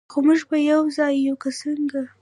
خو موږ به یو ځای یو، که څنګه؟